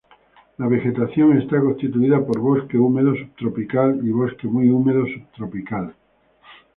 La vegetación está constituida por bosque húmedo subtropical y bosque muy húmedo subtropical.